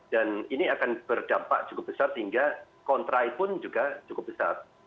ini akan berdampak cukup besar sehingga kontra pun juga cukup besar